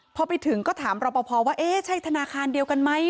พอไปถึงก็ถามรอปภว่าเอ๊ะใช่ธนาคารเดียวกันไหม